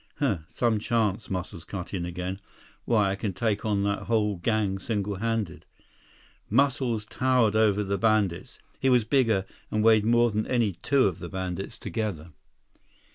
"Huh. Some chance," Muscles cut in again. "Why, I can take on that whole gang single handed." Muscles towered over the bandits. He was bigger, and weighed more than any two of the bandits together.